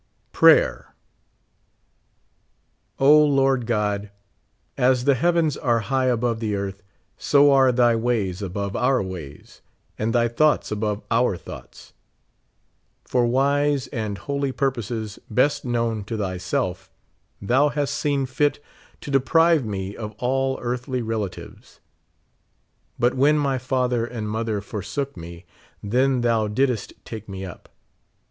Prayer. O Lord God, as the heavens are high above the earth, so are thy ways above our wa\'s, and thy thoughts above our thoughts. For wise and holy purposes best known to thyself, thou hast seen fit to deprive me of all earthly relatives ; bnt when my father and mother forsook me, then thou didst take me up.